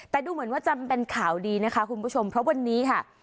แต่ดูเหมือนว่าจะเป็นข่าวดีนะคะคุณผู้ชมเพราะวันนี้ค่ะ